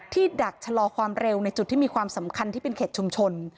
ดักชะลอความเร็วในจุดที่มีความสำคัญที่เป็นเขตชุมชน